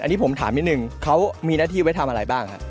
อันนี้ผมถามนิดนึงเขามีหน้าที่ไว้ทำอะไรบ้างครับ